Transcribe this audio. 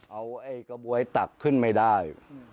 เอาไอ้กระบวยตักขึ้นไม่ได้